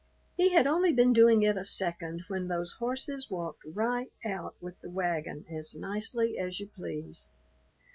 He had only been doing it a second when those horses walked right out with the wagon as nicely as you please.